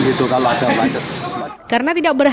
dan itu kalau ada banyak